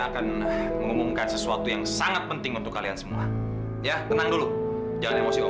akan mengumumkan sesuatu yang sangat penting untuk kalian semua ya tenang dulu jalan emosi